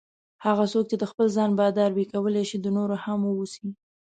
هغه څوک چې د خپل ځان بادار وي کولای شي د نورو هم واوسي.